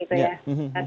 tidak ada tempat